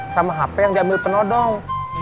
sama hp yang diambil penodong